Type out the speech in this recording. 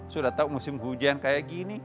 sudah tahu musim hujan kayak gini